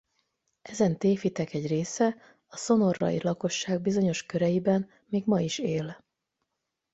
Ezen tévhitek egy része a sonorai lakosság bizonyos köreiben még ma is él.